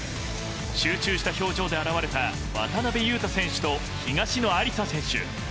集中した表情で現れた渡辺勇大選手と東野有紗選手。